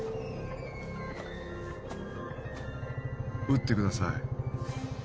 撃ってください